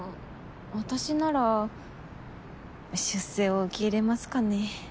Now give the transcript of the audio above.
私なら出世を受け入れますかね。